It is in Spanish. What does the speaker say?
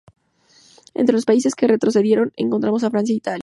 Entre los países que retrocedieron encontramos a Francia e Italia.